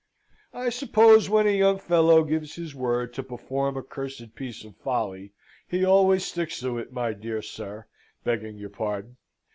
"I suppose when a young fellow gives his word to perform a cursed piece of folly, he always sticks to it, my dear sir, begging your pardon.